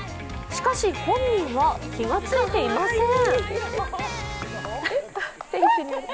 しかし本人は気が付いていません。